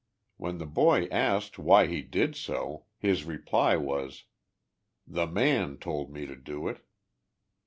When the boy asked why he did so, his reply was, 4 the man told me to do it.